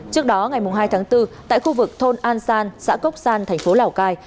trước đó ngày hai tháng bốn tại khu vực thôn an san xã cốc san thành phố lào cai